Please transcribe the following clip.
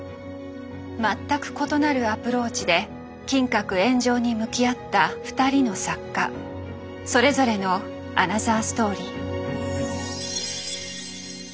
全く異なるアプローチで金閣炎上に向き合った２人の作家それぞれのアナザーストーリー。